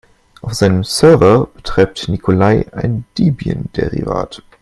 Auf seinem Server betreibt Nikolai ein Debian-Derivat.